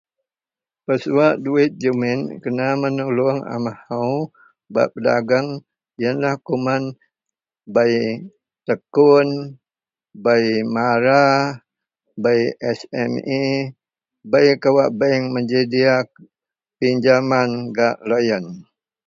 pesuwak duwit jumit kena menulung a mahou bak pedagang ienlah kuman bei tekun, bei mara, bei SME bei kawak bank menyedia pinjaman gak loyien